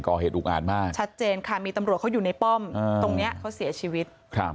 อุกอ่านมากชัดเจนค่ะมีตำรวจเขาอยู่ในป้อมตรงนี้เขาเสียชีวิต